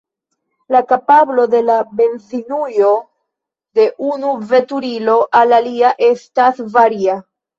La kapablo de la benzinujo de unu veturilo al alia estas varia.